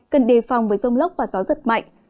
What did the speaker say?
cần đề phòng với rông lốc và gió giật mạnh